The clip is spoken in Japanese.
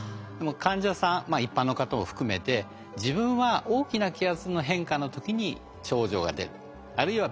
でも患者さん一般の方を含めて自分は大きな気圧の変化の時に症状が出る。